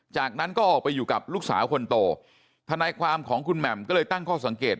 จากนั้นก็ออกไปอยู่กับลูกสาวคนโตทนายความของคุณแหม่มก็เลยตั้งข้อสังเกต